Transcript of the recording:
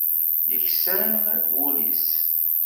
Yeksan wul-is.